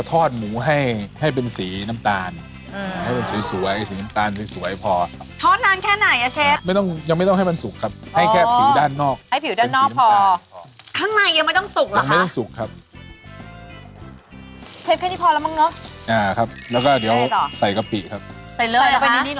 ทอดหมูให้ให้เป็นสีน้ำตาลอ่าให้มันสวยสวยสีน้ำตาลสวยสวยพอทอดนานแค่ไหนอ่ะเชฟไม่ต้องยังไม่ต้องให้มันสุกครับให้แค่ผิวด้านนอกให้ผิวด้านนอกพอข้างในยังไม่ต้องสุกเลยไม่ต้องสุกครับเชฟแค่นี้พอแล้วมั้งเนอะอ่าครับแล้วก็เดี๋ยวใส่กะปิครับใส่เลยใส่ลงไปนิดน